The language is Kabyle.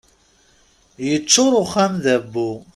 Yeččur uxxam d abbu.